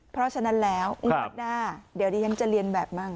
เพราะฉะนั้นแล้วงวดหน้าเดี๋ยวดิฉันจะเรียนแบบมั่ง